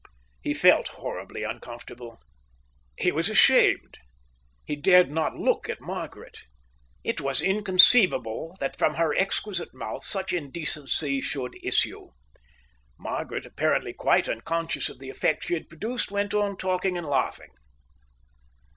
He felt horribly uncomfortable. He was ashamed. He dared not look at Margaret. It was inconceivable that from her exquisite mouth such indecency should issue. Margaret, apparently quite unconscious of the effect she had produced, went on talking and laughing.